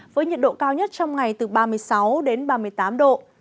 với nhiệt độ cao nhất trong ngày từ ba mươi sáu đến ba mươi tám độ